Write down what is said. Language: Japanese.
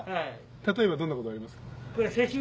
例えばどんなことがありますか？